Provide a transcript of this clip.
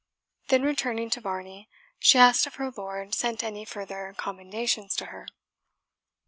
Then returning to Varney, she asked if her lord sent any further commendations to her.